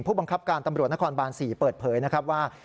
ผู้บังคับการตำรวจนครบาน๔เปิดเผยนะครับว่า